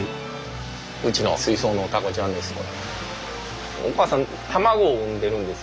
うちの水槽のタコちゃんです